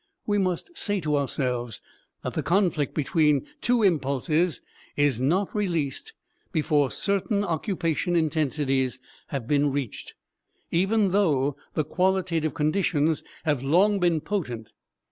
We must say to ourselves that the conflict between two impulses is not released before certain occupation intensities have been reached, even though the qualitative conditions have long been potent.